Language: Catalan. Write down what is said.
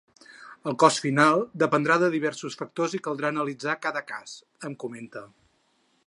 “El cost final dependrà de diversos factors i cal analitzar cada cas”, em comenta.